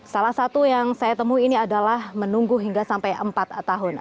salah satu yang saya temui ini adalah menunggu hingga sampai empat tahun